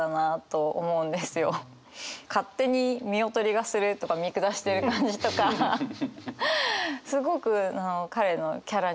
勝手に「見劣りがする」とか見下してる感じとかすごく彼のキャラにぴったりで。